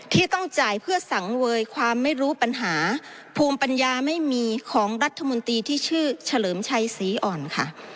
ที่ต้องจ่ายเพื่อสังเวยความไม่รู้ปัญหาภูมิปัญญาไม่มีของรัฐมนตรีที่ชื่อเฉลิมชัยศรีอ่อนค่ะ